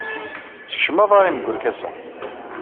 Sekcem aḍar-im deg warkas-a.